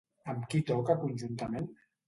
Amb qui toca conjuntament?